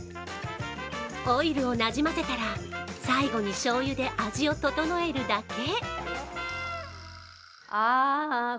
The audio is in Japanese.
オイルをなじませたら最後にしょうゆで味を整えるだけ。